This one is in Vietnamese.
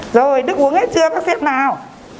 rồi đức uống hết chưa bác xếp nào